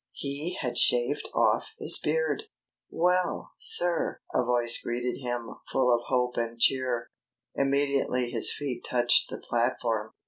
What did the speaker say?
He had shaved off his beard. "Well, sir!" a voice greeted him full of hope and cheer, immediately his feet touched the platform.